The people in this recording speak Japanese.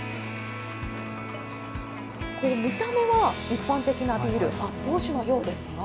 これ、見た目は一般的なビール、発泡酒のようですが。